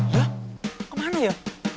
ya kemana ya